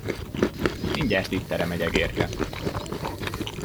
Mindjárt itt terem egy egérke.